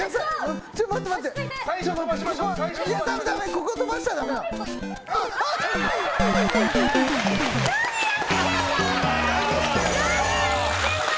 ここ飛ばしたらダメだ。